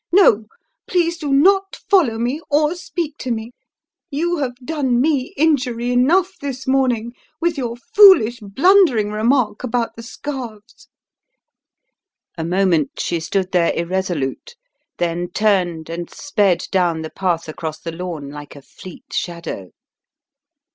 No, please do not follow me, or speak to me, you have done me injury enough this morning with your foolish blundering remark about the scarves." A moment she stood there irresolute, then turned and sped down the path across the lawn like a fleet shadow.